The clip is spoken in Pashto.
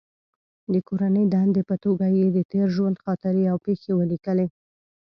د کورنۍ دندې په توګه یې د تېر ژوند خاطرې او پېښې ولیکلې.